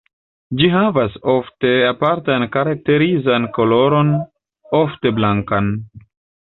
Ĝi havas ofte apartan karakterizan koloron ofte blankan.